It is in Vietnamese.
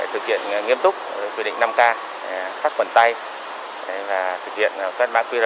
thực hiện nghiêm túc quy định năm k sắt quần tay và thực hiện quét mạng qr